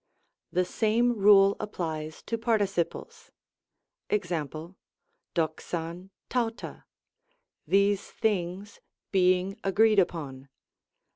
The same rule applies to participles. Mo.^ So^av ravruy " these things being agreed upon."